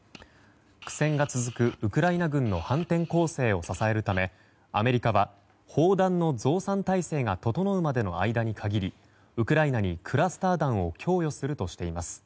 苦戦が続く、ウクライナ軍の反転攻勢を支えるためアメリカは砲弾の増産態勢が整うまでの間に限りウクライナにクラスター弾を供与するとしています。